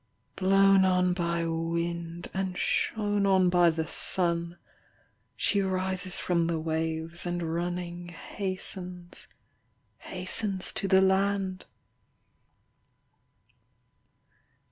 . Blown on by wind, And shone on by the sun, She rises from the waves And running, Hastens, hastens to the land.